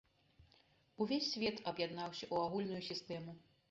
Увесь свет аб'яднаўся ў агульную сістэму.